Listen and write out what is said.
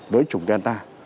đối chung với người ta